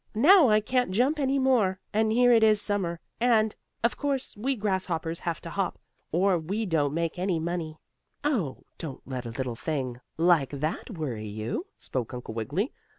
Now I can't jump any more, and here it is Summer, and, of course, we grasshoppers have to hop, or we don't make any money." "Oh, don't let a little thing like that worry you," spoke Uncle Wiggily.